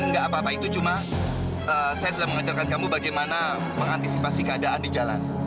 nggak apa apa itu cuma saya sudah mengajarkan kamu bagaimana mengantisipasi keadaan di jalan